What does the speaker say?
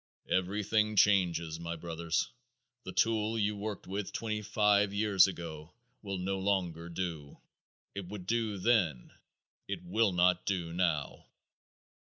Everything changes, my brothers. The tool you worked with twenty five years ago will no longer do. It would do then; it will not do now.